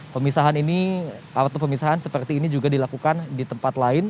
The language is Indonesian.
pemisahan ini atau pemisahan seperti ini juga dilakukan di tempat lain